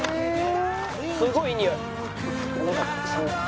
すごいいいにおい。